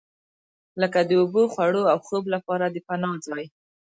لکه د اوبو، خوړو او خوب لپاره د پناه ځای.